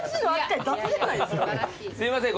すいません